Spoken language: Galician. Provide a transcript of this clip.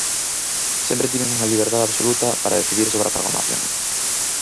Sempre tiven unha liberdade absoluta para decidir sobre a programación.